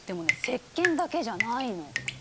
せっけんだけじゃないの。